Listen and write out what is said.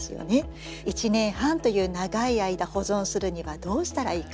１年半という長い間保存するにはどうしたらいいか？